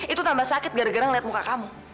itu tambah sakit gara gara ngeliat muka kamu